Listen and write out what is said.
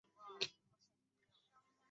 库库龙人口变化图示